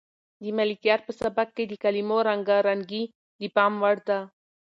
د ملکیار په سبک کې د کلمو رنګارنګي د پام وړ ده.